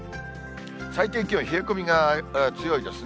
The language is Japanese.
最低気温、冷え込みが強いですね。